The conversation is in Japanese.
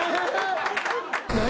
何？